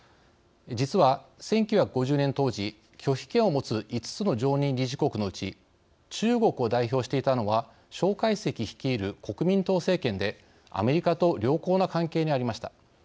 実は、１９５０年当時拒否権を持つ５つの常任理事国のうち中国を代表していたのは蒋介石率いる国民党政権でアメリカと良好な関係にありました。